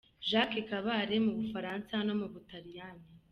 Jacques Kabale mu Bufaransa no mu Butaliyani .